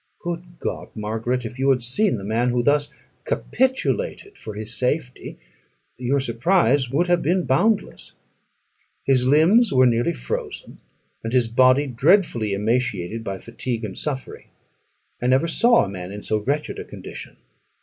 Good God! Margaret, if you had seen the man who thus capitulated for his safety, your surprise would have been boundless. His limbs were nearly frozen, and his body dreadfully emaciated by fatigue and suffering. I never saw a man in so wretched a condition.